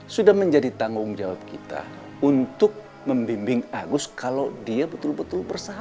sudah menjadi tanggung jawab kita untuk membimbing agus kalau dia betul betul bersahabat